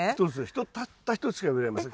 たった１つしか植えられません。